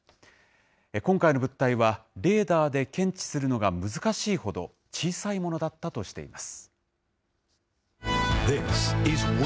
今回の物体はレーダーで検知するのが難しいほど小さいものだったとしています。